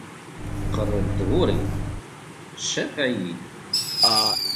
Qerreb-d ɣur-i, cafeɛ-iyi-d.